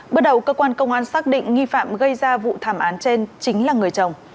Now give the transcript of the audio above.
bước đầu cơ quan công an xác định nghi phạm gây ra vụ thảm án trên chính là người chồng